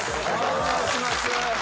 お願いします。